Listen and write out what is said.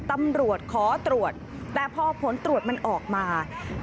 ตำรวจขอตรวจแต่พอผลตรวจมันออกมา